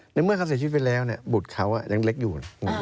เมื่อเขาเสียชีวิตไปแล้วบุตรเขายังเล็กอยู่